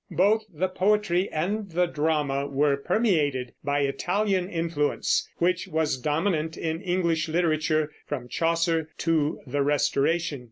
Both the poetry and the drama were permeated by Italian influence, which was dominant in English literature from Chaucer to the Restoration.